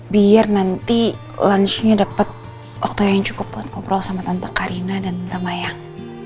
biar nanti lunch nya dapat waktu yang cukup buat ngobrol sama tante karina dan tante mayang